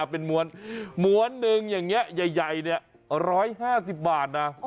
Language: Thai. เป็นหมวนหมวนนึงอย่างเยอะเนี่ย๑๕๐บาทนะ